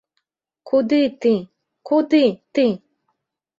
Куды ты, куды ты?